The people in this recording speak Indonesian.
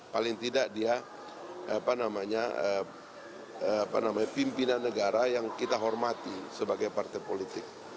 paling tidak dia pimpinan negara yang kita hormati sebagai partai politik